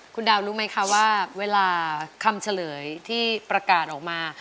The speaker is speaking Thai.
คุณดาวรู้ไหมคะว่าเวลาคำเฉลยที่ประกาศออกมา